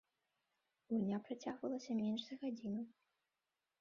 Гульня працягвалася менш за гадзіну.